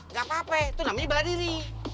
gak apa apa itu namanya beradiri